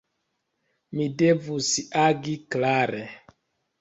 Mi devus agi klare.